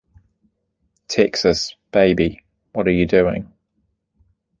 Texas, baby, what are you doing?